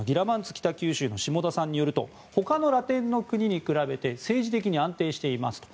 北九州の下田さんによると他のラテンの国に比べて政治的に安定していますと。